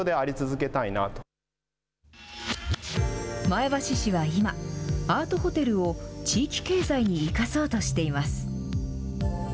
前橋市は今、アートホテルを地域経済に生かそうとしています。